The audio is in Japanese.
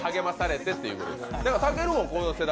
たけるもこの世代？